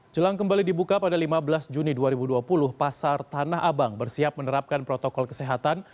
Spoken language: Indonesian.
jelang kembali dibuka pada lima belas juni dua ribu dua puluh pasar tanah abang bersiap menerapkan protokol kesehatan